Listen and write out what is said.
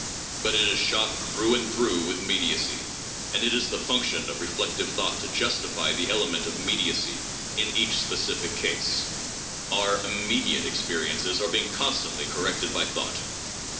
But it is shot through and through with mediacy, and it is the function of reflective thought to justify the element of mediacy in each specific case. Our 'immediate' experiences are being constantly corrected by thought.